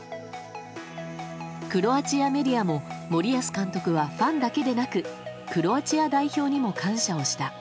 クロアチアメディアも森保監督はファンだけでなくクロアチア代表にも感謝をした。